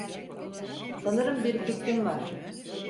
Sanırım bir fikrim var.